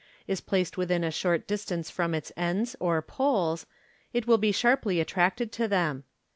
is placed within a short MODERN MAGIC. 481 distance from its ends or " poles," it will be sharply attracted to them.